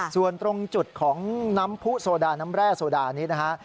ส่วนตรงจุดของน้ำผู้โซดาน้ำแร่โซดานี้นะฮะ